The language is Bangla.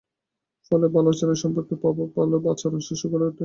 ফলে ভালো আচরণ সম্পর্কের প্রভাবে ভালো আচরণের শিশু গড়ে ওঠে।